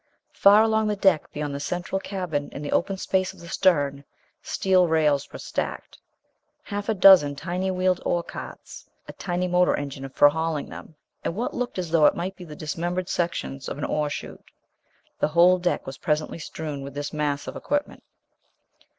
Far along the deck, beyond the central cabin in the open space of the stern, steel rails were stacked; half a dozen tiny wheeled ore carts; a tiny motor engine for hauling them and what looked as though it might be the dismembered sections of an ore chute. The whole deck was presently strewn with this mass of equipment.